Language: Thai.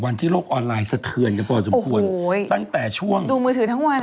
โลกออนไลน์สะเทือนกันพอสมควรโอ้ยตั้งแต่ช่วงดูมือถือทั้งวัน